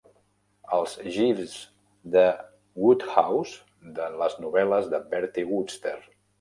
El Jeeves de Wodehouse, de les novel·les de Bertie Wooster.